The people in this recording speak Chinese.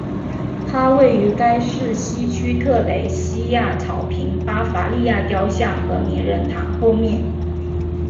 它位于该市西区特蕾西娅草坪巴伐利亚雕像和名人堂后面。